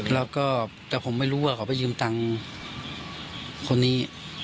แล้วก็แต่ผมไม่รู้ว่าเขาไปยืมตังค์คนนี้